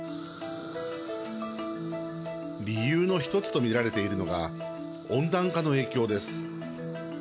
理由の１つとみられているのが温暖化の影響です。